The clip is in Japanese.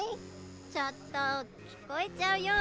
ちょっと聞こえちゃうよ。